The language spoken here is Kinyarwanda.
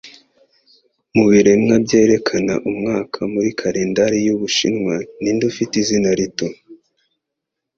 Mubiremwa byerekana umwaka muri Kalendari y'Ubushinwa, Ninde ufite Izina Rito?